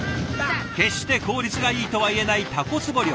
決して効率がいいとはいえないタコ壺漁。